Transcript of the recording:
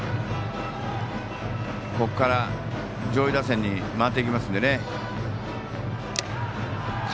ここから上位打線に回っていきますのでね。